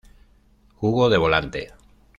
Jugó de Volante.